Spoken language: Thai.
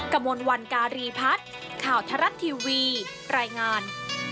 กระมวลวันการีพัฒน์ข่าวทรัฐทีวีรายงาน